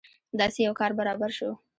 داسې یو کار برابر شو.